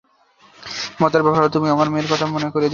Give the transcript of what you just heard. মজার ব্যাপার হলো, তুমি আমার মেয়ের কথা মনে করিয়ে দিচ্ছো।